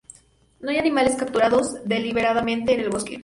No hay animales capturados deliberadamente en el bosque.